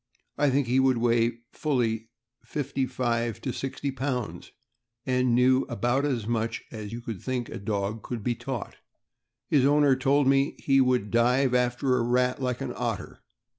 I think he would weigh fully fifty five to sixty pounds, and knew about as much as you would think a dog could be taught. His owner told me he would dive after a rat like an otter.